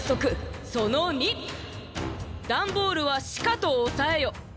「ダンボールはしかとおさえよ！」。